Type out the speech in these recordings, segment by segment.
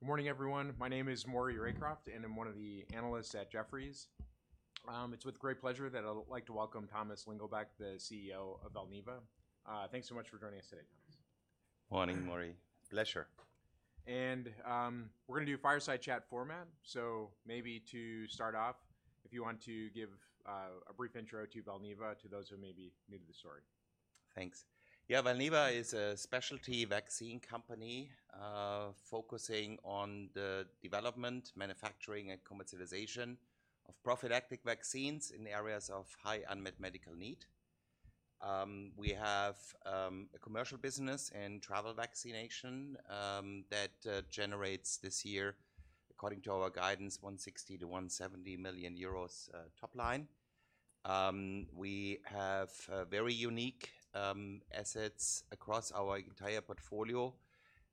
Good morning, everyone. My name is Maury Raycroft, and I'm one of the analysts at Jefferies. It's with great pleasure that I'd like to welcome Thomas Lingelbach, the CEO of Valneva. Thanks so much for joining us today, Thomas. Morning, Maury. Pleasure. We're going to do a fireside chat format. Maybe to start off, if you want to give a brief intro to Valneva, to those who may be new to the story. Thanks. Yeah, Valneva is a specialty vaccine company focusing on the development, manufacturing, and commercialization of prophylactic vaccines in areas of high unmet medical need. We have a commercial business in travel vaccination that generates this year, according to our guidance, 160 million-170 million euros top line. We have very unique assets across our entire portfolio.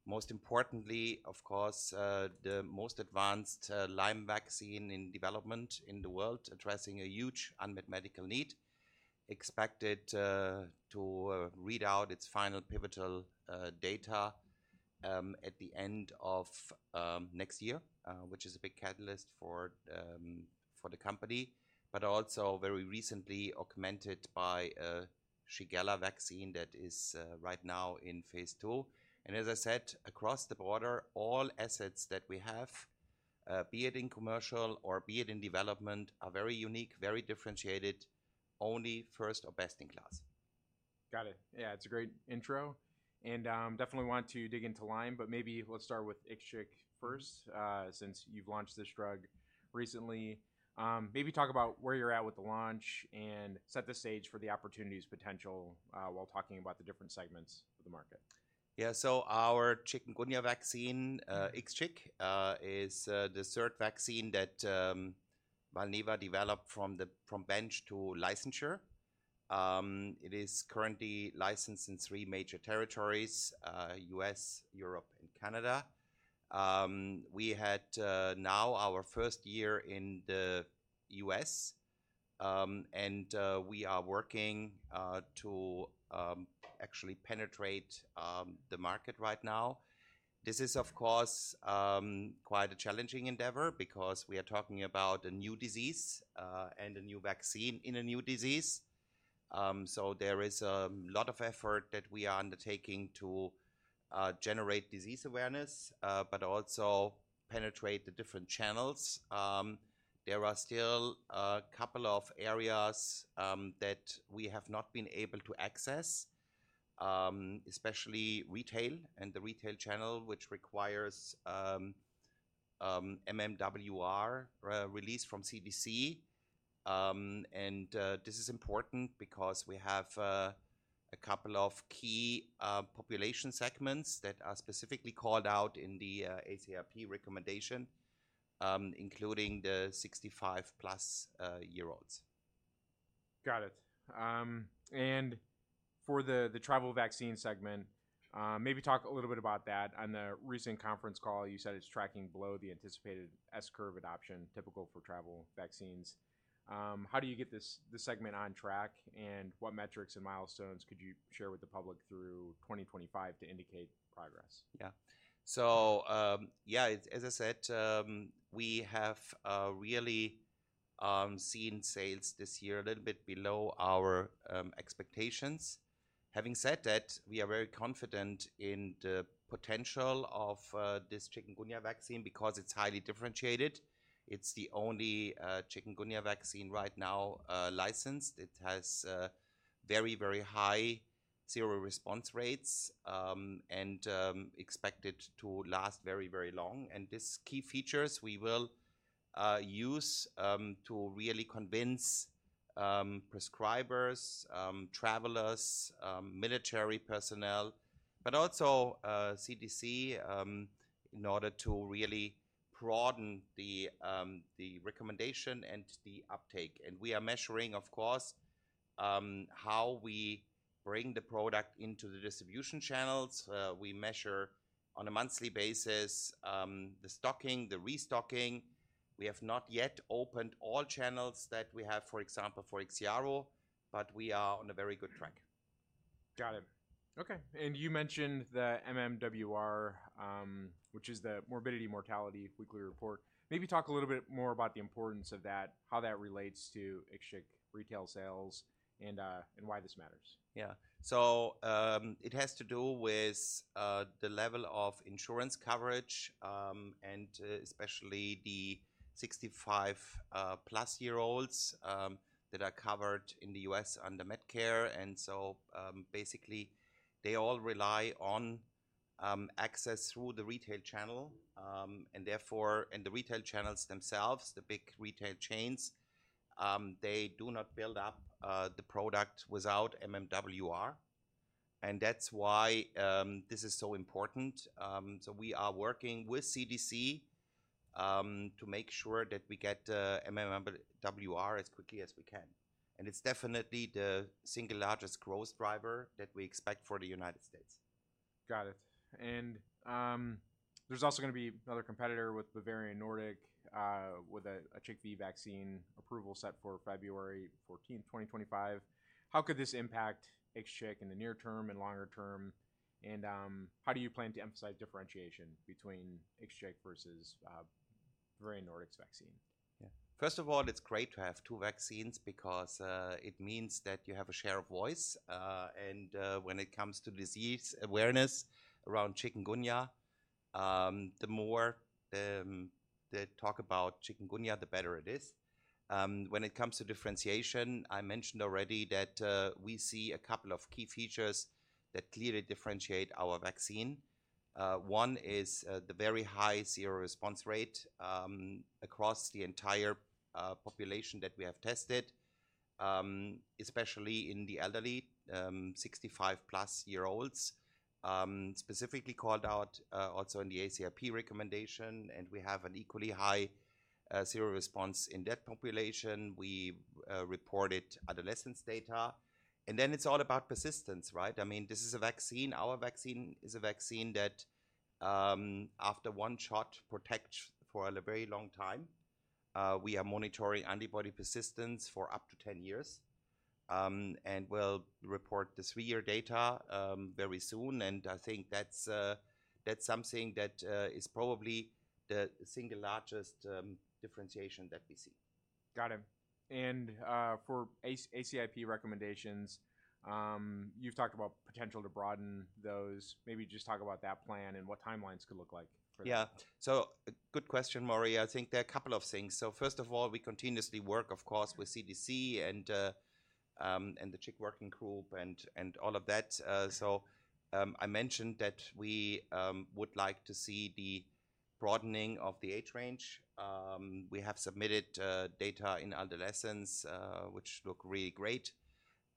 Most importantly, of course, the most advanced Lyme vaccine in development in the world, addressing a huge unmet medical need, expected to read out its final pivotal data at the end of next year, which is a big catalyst for the company, but also very recently augmented by a Shigella vaccine that is right now in Phase II. And as I said, across the board, all assets that we have, be it in commercial or be it in development, are very unique, very differentiated, only first or best in class. Got it. Yeah, it's a great intro. And definitely want to dig into Lyme, but maybe let's start with Ixchiq first, since you've launched this drug recently. Maybe talk about where you're at with the launch and set the stage for the opportunities potential while talking about the different segments of the market. Yeah, so our chikungunya vaccine, Ixchiq, is the third vaccine that Valneva developed from bench to licensure. It is currently licensed in three major territories: U.S., Europe, and Canada. We had now our first year in the U.S., and we are working to actually penetrate the market right now. This is, of course, quite a challenging endeavor because we are talking about a new disease and a new vaccine in a new disease. So there is a lot of effort that we are undertaking to generate disease awareness, but also penetrate the different channels. There are still a couple of areas that we have not been able to access, especially retail and the retail channel, which requires MMWR release from CDC. And this is important because we have a couple of key population segments that are specifically called out in the ACIP recommendation, including the 65-plus year olds. Got it. And for the travel vaccine segment, maybe talk a little bit about that. On the recent conference call, you said it's tracking below the anticipated S-curve adoption typical for travel vaccines. How do you get this segment on track? And what metrics and milestones could you share with the public through 2025 to indicate progress? Yeah. So yeah, as I said, we have really seen sales this year a little bit below our expectations. Having said that, we are very confident in the potential of this chikungunya vaccine because it's highly differentiated. It's the only chikungunya vaccine right now licensed. It has very, very high seroresponse rates and expected to last very, very long, and these key features we will use to really convince prescribers, travelers, military personnel, but also CDC in order to really broaden the recommendation and the uptake. And we are measuring, of course, how we bring the product into the distribution channels. We measure on a monthly basis the stocking, the restocking. We have not yet opened all channels that we have, for example, for IXIARO, but we are on a very good track. Got it. Okay. And you mentioned the MMWR, which is the Morbidity and Mortality Weekly Report. Maybe talk a little bit more about the importance of that, how that relates to Ixchiq retail sales, and why this matters. Yeah. So it has to do with the level of insurance coverage, and especially the 65-plus year olds that are covered in the U.S. under Medicare. And so basically, they all rely on access through the retail channel. And therefore, in the retail channels themselves, the big retail chains, they do not build up the product without MMWR. And that's why this is so important. So we are working with CDC to make sure that we get MMWR as quickly as we can. And it's definitely the single largest growth driver that we expect for the United States. Got it. And there's also going to be another competitor with Bavarian Nordic with a chikungunya vaccine approval set for February 14, 2025. How could this impact Ixchiq in the near term and longer term? And how do you plan to emphasize differentiation between Ixchiq versus Bavarian Nordic's vaccine? Yeah. First of all, it's great to have two vaccines because it means that you have a share of voice. And when it comes to disease awareness around chikungunya, the more they talk about chikungunya, the better it is. When it comes to differentiation, I mentioned already that we see a couple of key features that clearly differentiate our vaccine. One is the very high seroresponse rate across the entire population that we have tested, especially in the elderly, 65-plus year olds, specifically called out also in the ACIP recommendation. And we have an equally high seroresponse in that population. We reported adolescents' data. And then it's all about persistence, right? I mean, this is a vaccine. Our vaccine is a vaccine that, after one shot, protects for a very long time. We are monitoring antibody persistence for up to 10 years. And we'll report the three-year data very soon. I think that's something that is probably the single largest differentiation that we see. Got it. And for ACIP recommendations, you've talked about potential to broaden those. Maybe just talk about that plan and what timelines could look like for this. Yeah. Good question, Maury. I think there are a couple of things. First of all, we continuously work, of course, with CDC and the Chikungunya working group and all of that. I mentioned that we would like to see the broadening of the age range. We have submitted data in adolescence, which look really great.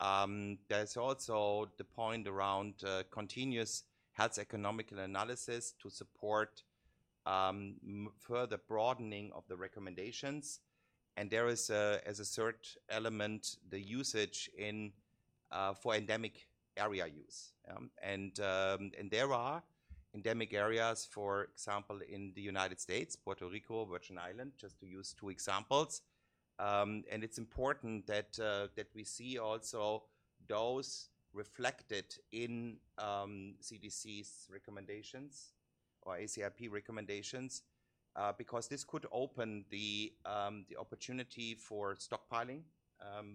There is also the point around continuous health economic analysis to support further broadening of the recommendations. There is, as a third element, the usage for endemic area use. There are endemic areas, for example, in the United States, Puerto Rico, Virgin Islands, just to use two examples. It is important that we see also those reflected in CDC's recommendations or ACIP recommendations because this could open the opportunity for stockpiling,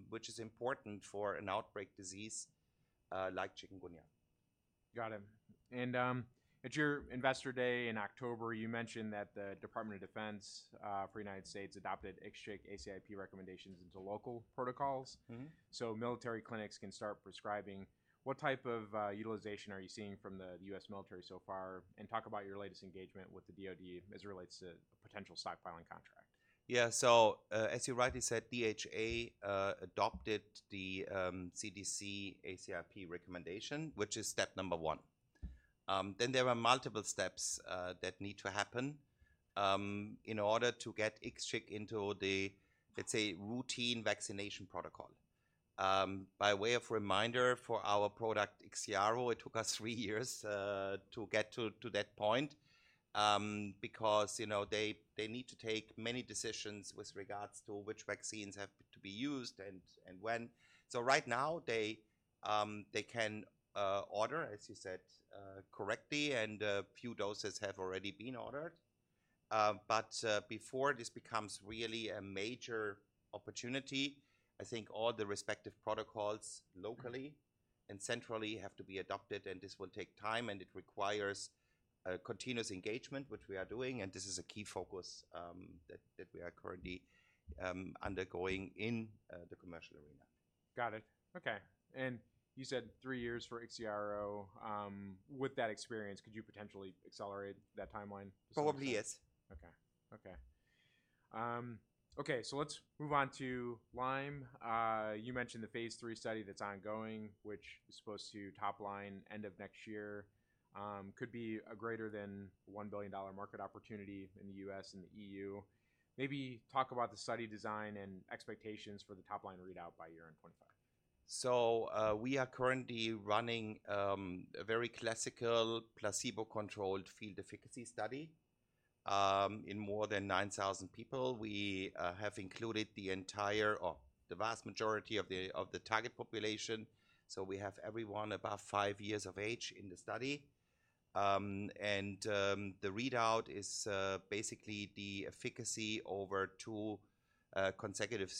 which is important for an outbreak disease like chikungunya. Got it. And at your investor day in October, you mentioned that the Department of Defense for the United States adopted Ixchiq ACIP recommendations into local protocols. So military clinics can start prescribing. What type of utilization are you seeing from the U.S. military so far? And talk about your latest engagement with the DOD as it relates to a potential stockpiling contract? Yeah. So as you rightly said, DHA adopted the CDC ACIP recommendation, which is step number one. Then there are multiple steps that need to happen in order to get Ixchiq into, let's say, routine vaccination protocol. By way of reminder, for our product IXIARO, it took us three years to get to that point because they need to take many decisions with regards to which vaccines have to be used and when. So right now, they can order, as you said, correctly, and a few doses have already been ordered. But before this becomes really a major opportunity, I think all the respective protocols locally and centrally have to be adopted. And this will take time, and it requires continuous engagement, which we are doing. And this is a key focus that we are currently undergoing in the commercial arena. Got it. Okay. And you said three years for IXIARO. With that experience, could you potentially accelerate that timeline? Probably yes. Okay. So let's move on to Lyme. You mentioned the Phase III study that's ongoing, which is supposed to top line end of next year. Could be a greater than $1 billion market opportunity in the U.S. and the EU. Maybe talk about the study design and expectations for the top line readout by 2025. We are currently running a very classical placebo-controlled field efficacy study in more than 9,000 people. We have included the entire or the vast majority of the target population. We have everyone above five years of age in the study. The readout is basically the efficacy over two consecutive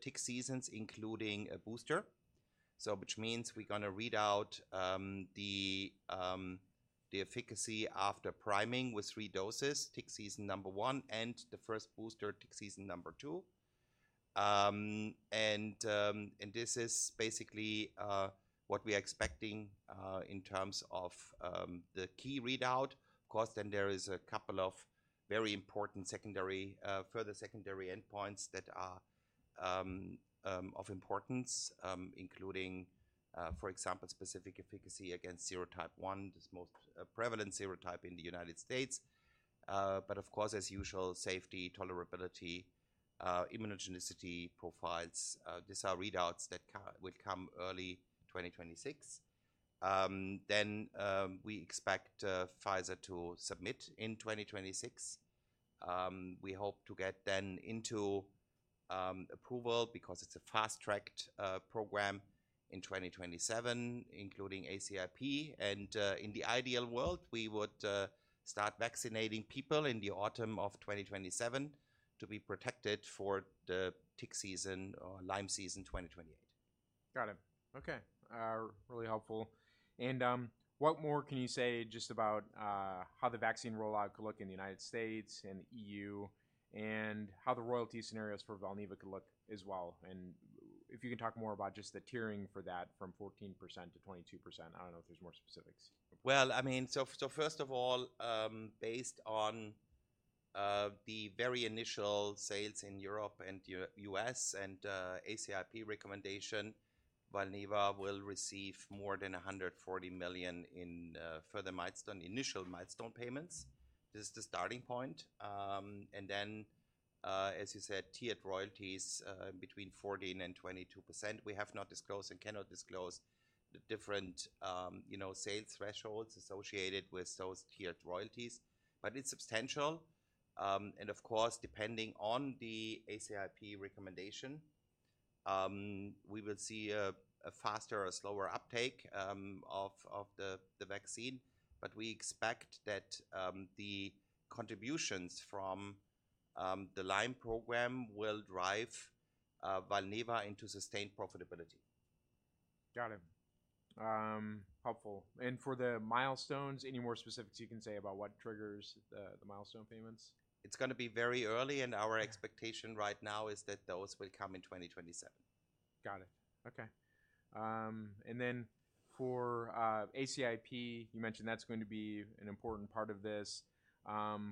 tick seasons, including a booster. Which means we're going to read out the efficacy after priming with three doses, tick season number one and the first booster, tick season number two. This is basically what we are expecting in terms of the key readout. Of course, then there is a couple of very important further secondary endpoints that are of importance, including, for example, specific efficacy against serotype 1, the most prevalent serotype in the United States. But of course, as usual, safety, tolerability, immunogenicity profiles. These are readouts that will come early 2026. Then we expect Pfizer to submit in 2026. We hope to get then into approval because it's a fast-tracked program in 2027, including ACIP. And in the ideal world, we would start vaccinating people in the autumn of 2027 to be protected for the tick season or Lyme season 2028. Got it. Okay. Really helpful. And what more can you say just about how the vaccine rollout could look in the United States and the EU and how the royalty scenarios for Valneva could look as well? And if you can talk more about just the tiering for that from 14% to 22%? I don't know if there's more specifics. I mean, so first of all, based on the very initial sales in Europe and the U.S. and ACIP recommendation, Valneva will receive more than 140 million in further initial milestone payments. This is the starting point. And then, as you said, tiered royalties between 14% and 22%. We have not disclosed and cannot disclose the different sales thresholds associated with those tiered royalties, but it's substantial. And of course, depending on the ACIP recommendation, we will see a faster or slower uptake of the vaccine. But we expect that the contributions from the Lyme program will drive Valneva into sustained profitability. Got it. Helpful. And for the milestones, any more specifics you can say about what triggers the milestone payments? It's going to be very early, and our expectation right now is that those will come in 2027. Got it. Okay. And then for ACIP, you mentioned that's going to be an important part of this.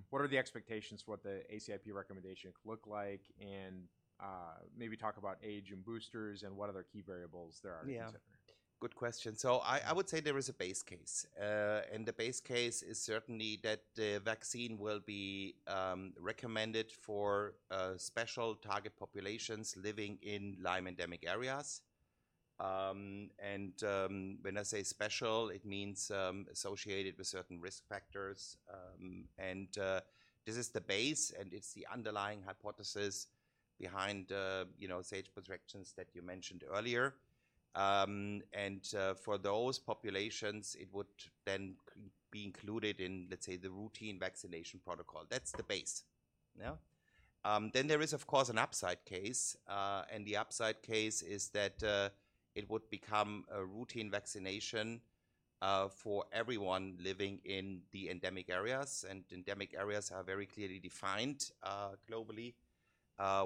What are the expectations for what the ACIP recommendation could look like? And maybe talk about age and boosters and what other key variables there are to consider. Yeah. Good question. So I would say there is a base case. And the base case is certainly that the vaccine will be recommended for special target populations living in Lyme endemic areas. And when I say special, it means associated with certain risk factors. And this is the base, and it's the underlying hypothesis behind the age protections that you mentioned earlier. And for those populations, it would then be included in, let's say, the routine vaccination protocol. That's the base. Yeah. Then there is, of course, an upside case. And the upside case is that it would become a routine vaccination for everyone living in the endemic areas. And endemic areas are very clearly defined globally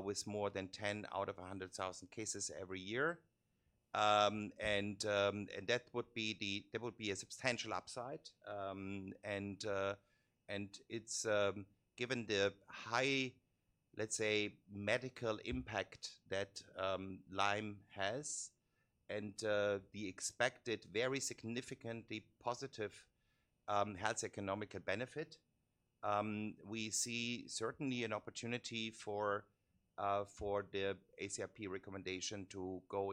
with more than 10 out of 100,000 cases every year. And that would be a substantial upside. Given the high, let's say, medical impact that Lyme has and the expected very significantly positive health economic benefit, we see certainly an opportunity for the ACIP recommendation to go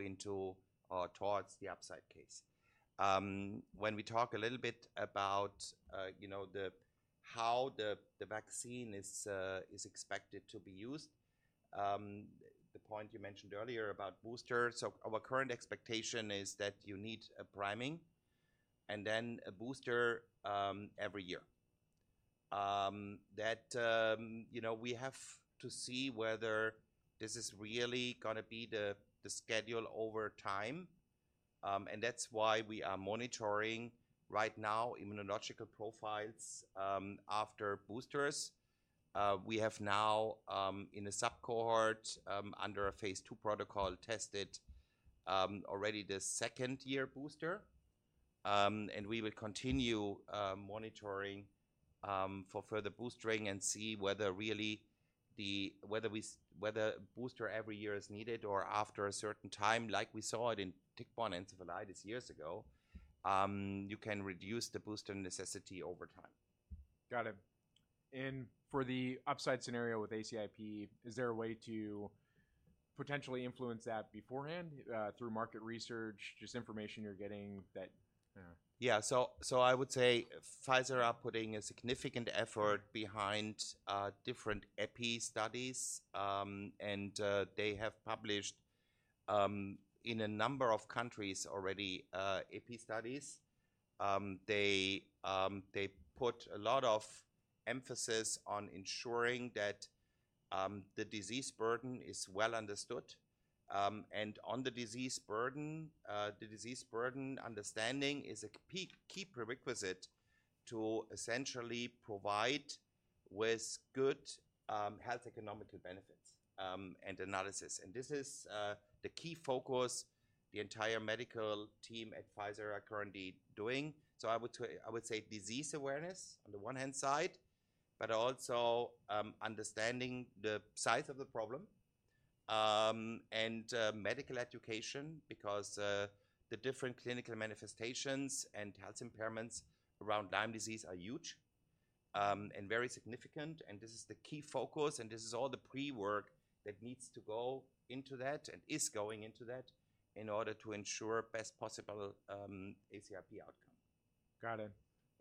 towards the upside case. When we talk a little bit about how the vaccine is expected to be used, the point you mentioned earlier about boosters, so our current expectation is that you need a priming and then a booster every year. That we have to see whether this is really going to be the schedule over time. And that's why we are monitoring right now immunological profiles after boosters. We have now, in a subcohort under a Phase II protocol, tested already the second year booster. We will continue monitoring for further boostering and see whether a booster every year is needed or after a certain time, like we saw it in tick-borne encephalitis years ago, you can reduce the booster necessity over time. Got it. And for the upside scenario with ACIP, is there a way to potentially influence that beforehand through market research, just information you're getting that? Yeah. So I would say Pfizer are putting a significant effort behind different epi studies. And they have published in a number of countries already epi studies. They put a lot of emphasis on ensuring that the disease burden is well understood. And on the disease burden, the disease burden understanding is a key prerequisite to essentially provide with good health economic benefits and analysis. And this is the key focus the entire medical team at Pfizer are currently doing. So I would say disease awareness on the one hand side, but also understanding the size of the problem and medical education because the different clinical manifestations and health impairments around Lyme disease are huge and very significant. And this is the key focus. And this is all the pre-work that needs to go into that and is going into that in order to ensure best possible ACIP outcome. Got it.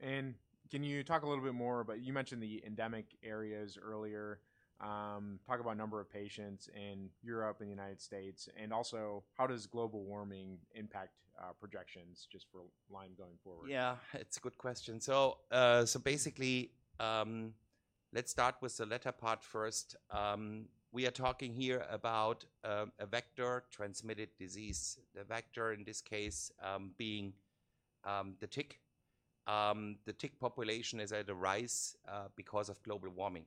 And can you talk a little bit more about you mentioned the endemic areas earlier? Talk about number of patients in Europe and the United States. And also, how does global warming impact projections just for Lyme going forward? Yeah. It's a good question. So basically, let's start with the latter part first. We are talking here about a vector-transmitted disease, the vector in this case being the tick. The tick population is at a rise because of global warming,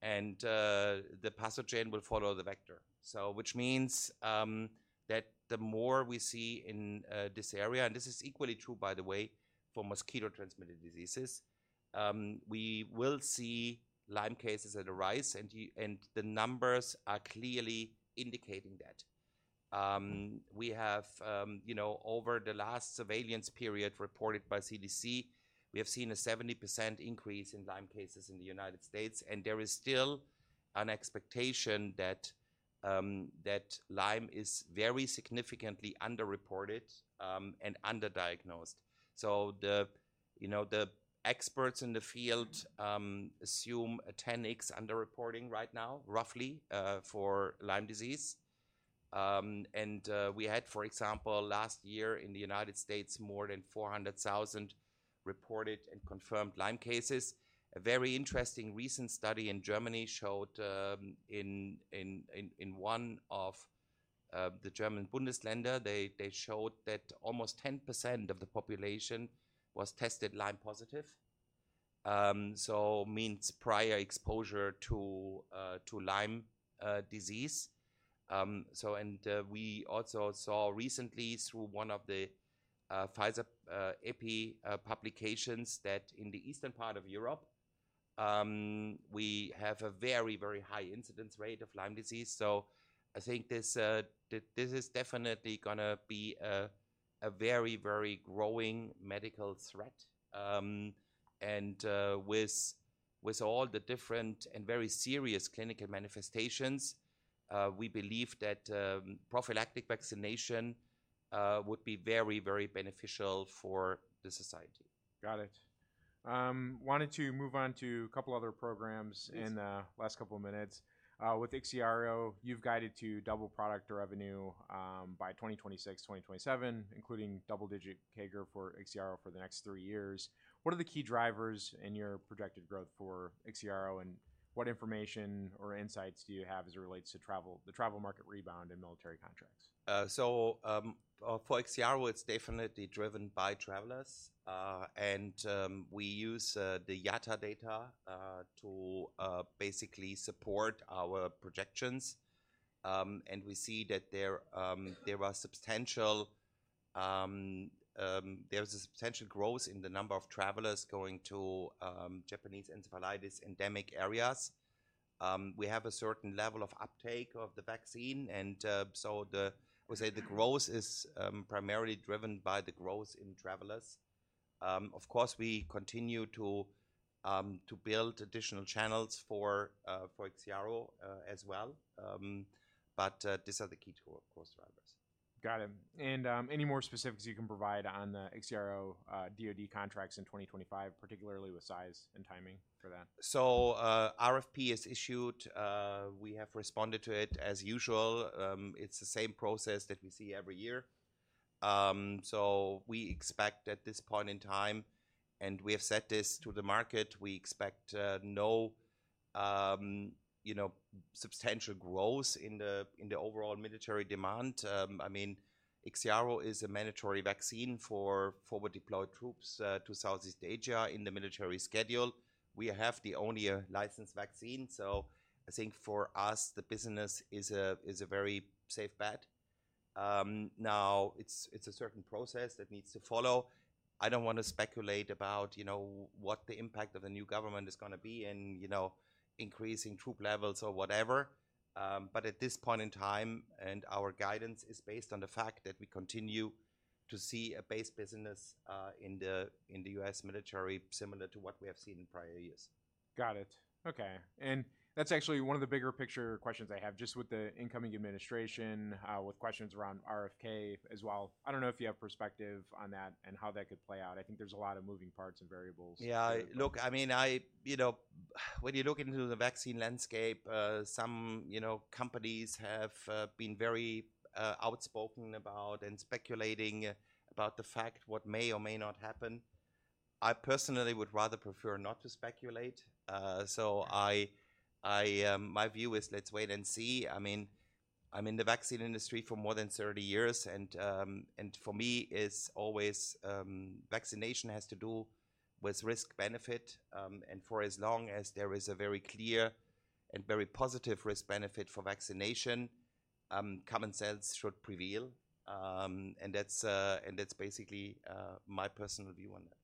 and the pathogen will follow the vector, which means that the more we see in this area, and this is equally true, by the way, for mosquito-transmitted diseases, we will see Lyme cases at a rise. And the numbers are clearly indicating that. We have, over the last surveillance period reported by CDC, we have seen a 70% increase in Lyme cases in the United States. And there is still an expectation that Lyme is very significantly underreported and underdiagnosed. So the experts in the field assume a 10x underreporting right now, roughly, for Lyme disease. We had, for example, last year in the United States, more than 400,000 reported and confirmed Lyme cases. A very interesting recent study in Germany showed in one of the German Bundesländer, they showed that almost 10% of the population was tested Lyme positive. So means prior exposure to Lyme disease. And we also saw recently through one of the Pfizer epi publications that in the eastern part of Europe, we have a very, very high incidence rate of Lyme disease. So I think this is definitely going to be a very, very growing medical threat. And with all the different and very serious clinical manifestations, we believe that prophylactic vaccination would be very, very beneficial for the society. Got it. Wanted to move on to a couple other programs in the last couple of minutes. With IXIARO, you've guided to double product revenue by 2026, 2027, including double-digit CAGR for IXIARO for the next three years. What are the key drivers in your projected growth for IXIARO? And what information or insights do you have as it relates to the travel market rebound and military contracts? For IXIARO, it's definitely driven by travelers. We use the IATA data to basically support our projections. We see that there is a substantial growth in the number of travelers going to Japanese encephalitis endemic areas. We have a certain level of uptake of the vaccine. I would say the growth is primarily driven by the growth in travelers. Of course, we continue to build additional channels for IXIARO as well. These are the key growth drivers. Got it. And any more specifics you can provide on the IXIARO DOD contracts in 2025, particularly with size and timing for that? RFP is issued. We have responded to it as usual. It's the same process that we see every year. We expect at this point in time, and we have said this to the market, we expect no substantial growth in the overall military demand. I mean, IXIARO is a mandatory vaccine for forward-deployed troops to Southeast Asia in the military schedule. We have the only licensed vaccine. So I think for us, the business is a very safe bet. Now, it's a certain process that needs to follow. I don't want to speculate about what the impact of the new government is going to be in increasing troop levels or whatever. At this point in time, and our guidance is based on the fact that we continue to see a base business in the U.S. military similar to what we have seen in prior years. Got it. Okay, and that's actually one of the bigger picture questions I have just with the incoming administration with questions around RFK as well. I don't know if you have perspective on that and how that could play out. I think there's a lot of moving parts and variables. Yeah. Look, I mean, when you look into the vaccine landscape, some companies have been very outspoken about and speculating about the fact what may or may not happen. I personally would rather prefer not to speculate. So my view is let's wait and see. I mean, I'm in the vaccine industry for more than 30 years. And for me, it's always vaccination has to do with risk-benefit. And for as long as there is a very clear and very positive risk-benefit for vaccination, common sense should prevail. And that's basically my personal view on that.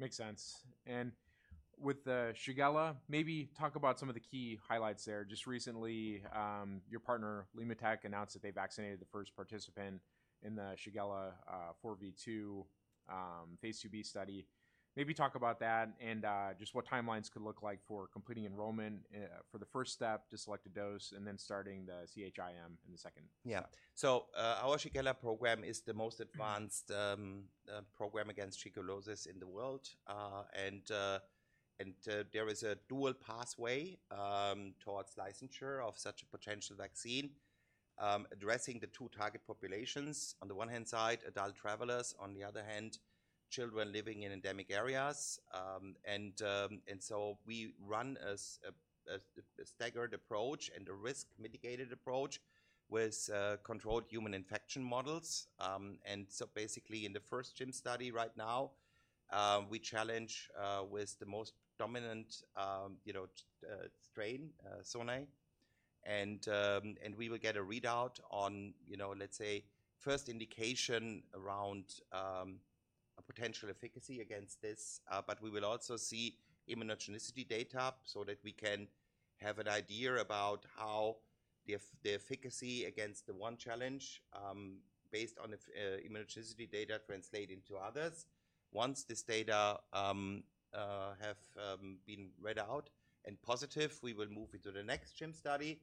Makes sense. And with the Shigella, maybe talk about some of the key highlights there. Just recently, your partner, LimmaTech, announced that they vaccinated the first participant in the S4V2 Phase II-B study. Maybe talk about that and just what timelines could look like for completing enrollment for the first step to select a dose and then starting the CHIM in the second step. Yeah. So our Shigella program is the most advanced program against shigellosis in the world. And there is a dual pathway towards licensure of such a potential vaccine, addressing the two target populations. On the one hand side, adult travelers. On the other hand, children living in endemic areas. And so we run a staggered approach and a risk-mitigated approach with controlled human infection models. And so basically, in the first CHIM study right now, we challenge with the most dominant strain, sonnei. And we will get a readout on, let's say, first indication around potential efficacy against this. But we will also see immunogenicity data so that we can have an idea about how the efficacy against the one challenge based on immunogenicity data translates into others. Once this data have been read out and positive, we will move into the next CHIM study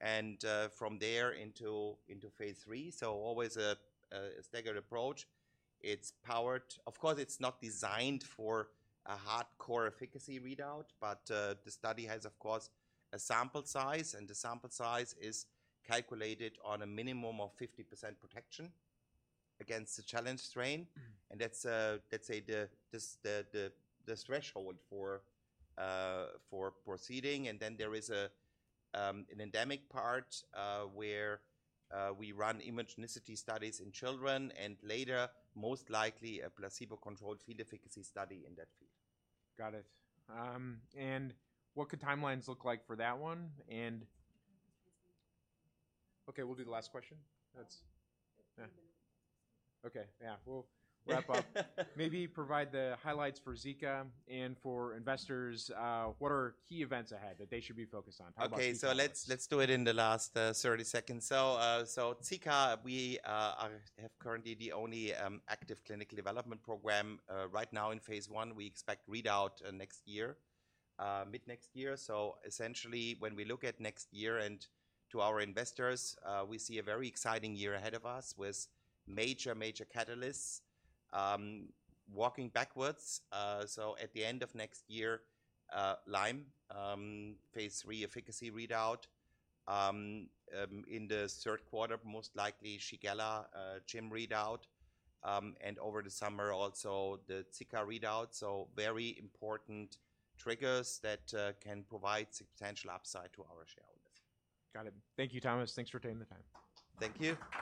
and from there into Phase III. So always a staggered approach. Of course, it's not designed for a hardcore efficacy readout, but the study has, of course, a sample size. And the sample size is calculated on a minimum of 50% protection against the challenge strain. And that's, let's say, the threshold for proceeding. And then there is an endemic part where we run immunogenicity studies in children and later, most likely, a placebo-controlled field efficacy study in that field. Got it. And what could timelines look like for that one? And okay, we'll do the last question. Okay. Yeah. We'll wrap up. Maybe provide the highlights for Zika and for investors. What are key events ahead that they should be focused on? Okay. So let's do it in the last 30 seconds. So Zika, we have currently the only active clinical development program right now in Phase I. We expect readout next year, mid next year. So essentially, when we look at next year and to our investors, we see a very exciting year ahead of us with major, major catalysts working backwards. So at the end of next year, Lyme, Phase III efficacy readout. In the third quarter, most likely Shigella CHIM readout. And over the summer, also the Zika readout. So very important triggers that can provide substantial upside to our shareholders. Got it. Thank you, Thomas. Thanks for taking the time. Thank you.